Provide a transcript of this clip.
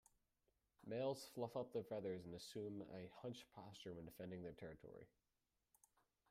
Males fluff up their feathers and assume a hunched posture when defending their territory.